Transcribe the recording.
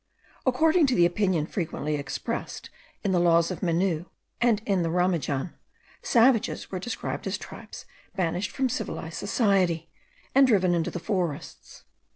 According to the opinion frequently expressed in the laws of Menou and in the Ramajan, savages were regarded as tribes banished from civilized society, and driven into the forests.